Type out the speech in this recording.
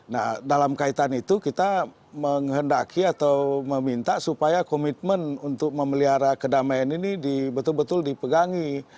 nah dalam kaitan itu kita menghendaki atau meminta supaya komitmen untuk memelihara kedamaian ini betul betul dipegangi